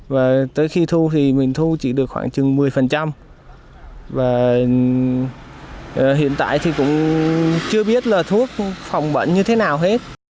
và tới khi thu thì mình thu chỉ được khoảng chừng một mươi và hiện tại thì cũng chưa biết là thuốc phòng bệnh như thế nào hết